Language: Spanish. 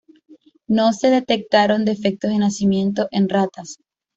No se detectaron defectos de nacimiento en ratas.